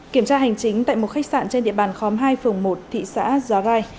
kiểm tra hành chính tại một khách sạn trên địa bàn khóm hai phường một thị xã gia vai